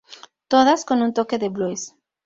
Todas con un toque blues.